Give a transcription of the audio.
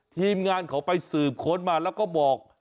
ทีมงานเขาไปสืบค้นมาแล้วก็บอก